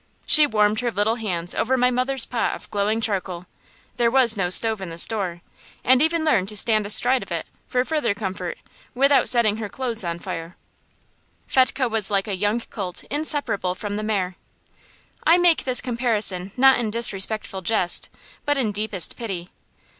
She warmed her little hands over my mother's pot of glowing charcoal there was no stove in the store and even learned to stand astride of it, for further comfort, without setting her clothes on fire. Fetchke was like a young colt inseparable from the mare. I make this comparison not in disrespectful jest, but in deepest pity.